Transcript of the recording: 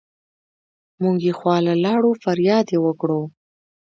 مونږ يې خواله لاړو فرياد يې وکړو